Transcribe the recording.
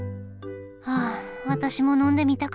あ私も呑んでみたかったな。